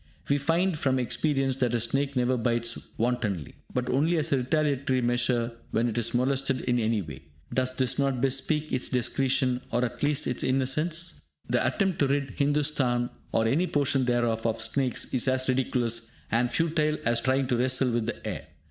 We find from experience that a snake never bites wantonly, but only as a retaliatory measure when it is molested in any way. Does this not bespeak its discretion, or at the least its innocence? The attempt to rid Hindustan, or any portion thereof, of snakes is as ridiculous and futile as trying to wrestle with the air.